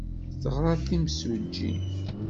Teɣra d timsujjit.